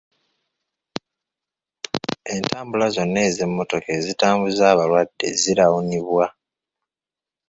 Entabula zonna ez'emmotoka ezitambuza abalwadde zirawunibwa.